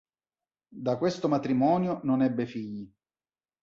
Da questo matrimonio non ebbe figli.